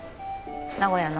名古屋の？